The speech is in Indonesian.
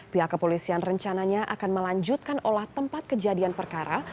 pihak kepolisian rencananya akan melanjutkan olah tempat kejadian perkara